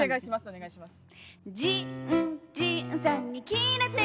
お願いします。